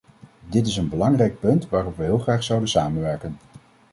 Dit is een belangrijk punt waarop we heel graag zouden samenwerken.